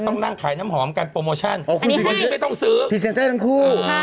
ต้องนั่งขายน้ำหอมกันโปรโมชั่นวันนี้ไม่ต้องซื้อพรีเซนเตอร์ทั้งคู่